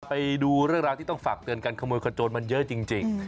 ไปดูเรื่องราวที่ต้องฝากเตือนการขโมยขโจรมันเยอะจริง